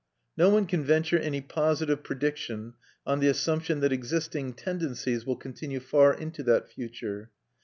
No one can venture any positive prediction on the assumption that existing tendencies will continue far into that future.